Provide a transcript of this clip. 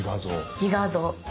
自画像。